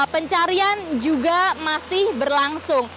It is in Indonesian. pencarian juga masih berlangsung